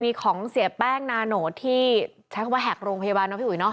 มีของเสียแป้งนาโนตที่ใช้คำว่าแหกโรงพยาบาลเนาะพี่อุ๋ยเนาะ